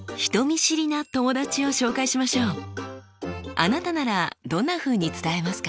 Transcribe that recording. あなたならどんなふうに伝えますか？